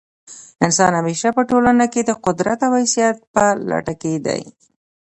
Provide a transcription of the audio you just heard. انسان همېشه په ټولنه کښي د قدرت او حیثیت په لټه کښي دئ.